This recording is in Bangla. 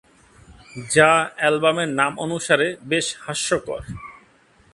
যা অ্যালবামের নাম অনুসারে বেশ হাস্যকর।